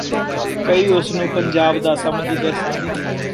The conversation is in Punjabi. ਕਈ ਉਸ ਨੂੰ ਪੰਜਾਬ ਦਾ ਸਮਝਦੇ ਸਨ